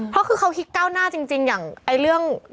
เพราะเขาคิดเก้าหน้าจริงอย่าง